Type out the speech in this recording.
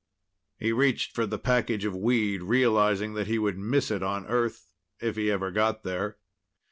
He reached for the package of weed, realizing that he would miss it on Earth, if he ever got there.